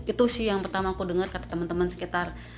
itu sih yang pertama aku dengar kata teman teman sekitar